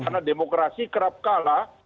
karena demokrasi kerap kalah